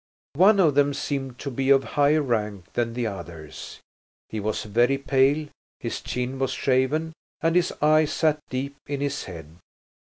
One of them seemed to be of higher rank than the others; he was very pale, his chin was shaven, and his eyes sat deep in his head.